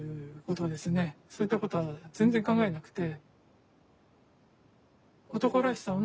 そういったことは全然考えなくて。